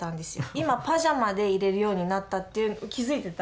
今パジャマでいれるようになったっていう気付いてた？